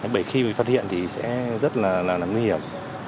bởi khi mình phát hiện thì sẽ rất là nằm nguy hiểm